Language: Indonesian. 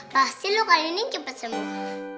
pasti lu kali ini cepet sembuh